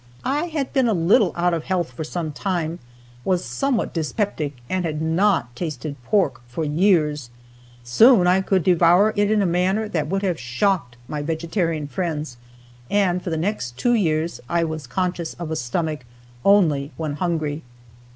I had been a little out of health for some time, was somewhat dyspeptic, and had not tasted pork for years. Soon I could devour it in a manner that would have shocked my vegetarian friends; and for the next two years I was conscious of a stomach only when hungry.